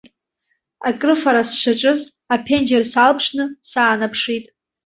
Акрыфара сшаҿыз, аԥенџьыр салԥшны саанаԥшит.